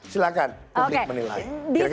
silahkan publik menilai